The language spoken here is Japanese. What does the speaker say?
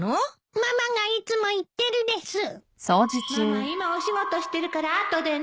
ママ今お仕事してるから後でね